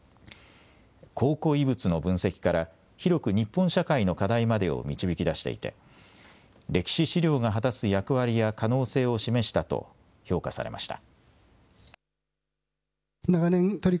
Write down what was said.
考古遺物の分析から広く日本社会の課題までを導き出していて歴史資料が果たす役割や可能性を示したと評価されました。